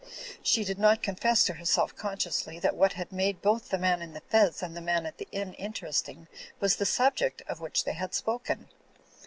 She did not confess to herself consciously that what had made both the man in the fez and the man at the inn inter esting was the subject of which they had spoken.